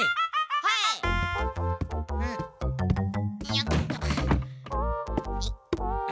よっと。